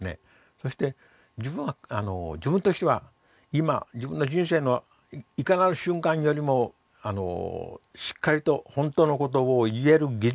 そして自分は自分としては今自分の人生のいかなる瞬間よりもしっかりと本当のことを言える技術